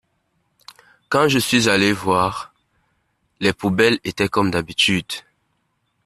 Quand je suis allé voir, les poubelles étaient comme d’habitude.